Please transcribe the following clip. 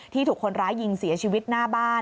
ถูกคนร้ายยิงเสียชีวิตหน้าบ้าน